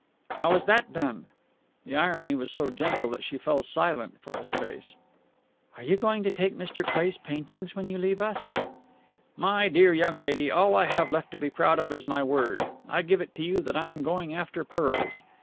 "How is that done?" The irony was so gentle that she fell silent for a space. "Are you going to take Mr. Cleigh's paintings when you leave us?" "My dear young lady, all I have left to be proud of is my word. I give it to you that I am going after pearls.